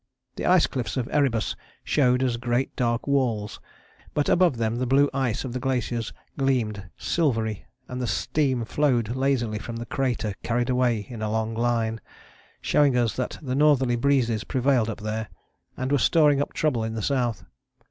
The ice cliffs of Erebus showed as great dark walls, but above them the blue ice of the glaciers gleamed silvery, and the steam flowed lazily from the crater carried away in a long line, showing us that the northerly breezes prevailed up there, and were storing up trouble in the south.